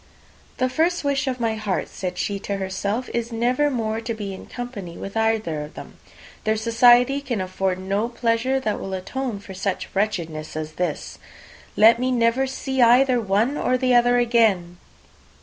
"The first wish of my heart," said she to herself, "is never more to be in company with either of them. Their society can afford no pleasure that will atone for such wretchedness as this! Let me never see either one or the other again!"